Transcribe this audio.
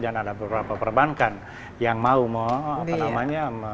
dan ada beberapa perbankan yang mau mengeluarkan